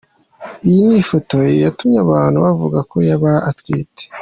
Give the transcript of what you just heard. Iyi niyo foto yatumye abantu bavuga ko yaba atwite.